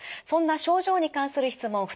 そんな症状に関する質問